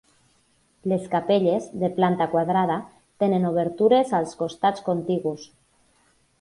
Les capelles, de planta quadrada, tenen obertures als costats contigus.